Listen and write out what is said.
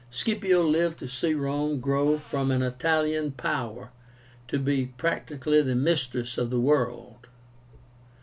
Scipio lived to see Rome grow from an Italian power to be practically the mistress of the world.